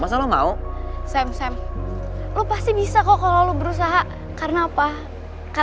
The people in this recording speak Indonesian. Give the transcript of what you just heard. sampai jumpa di video selanjutnya